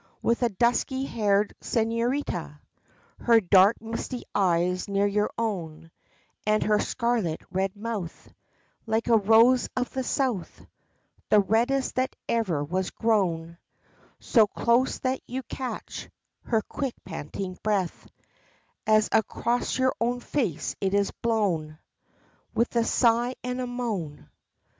With a dusky haired señorita, Her dark, misty eyes near your own, And her scarlet red mouth, Like a rose of the south, The reddest that ever was grown, So close that you catch Her quick panting breath As across your own face it is blown, With a sigh, and a moan.